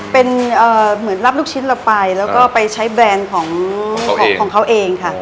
เป็นเหมือนรับลูกชิ้นเราไปแล้วก็ไปใช้แบรนด์ของเขาเองค่ะ